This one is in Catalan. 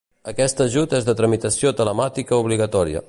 Aquest ajut és de tramitació telemàtica obligatòria.